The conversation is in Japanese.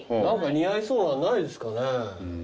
何か似合いそうなのないですかね